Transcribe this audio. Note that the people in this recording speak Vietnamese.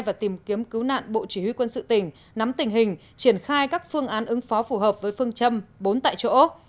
và tìm kiếm cứu nạn bộ chỉ huy quân sự tỉnh nắm tình hình triển khai các phương án ứng phó phù hợp với phương châm bốn tại chỗ